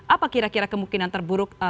apa kira kira kemungkinan terburuk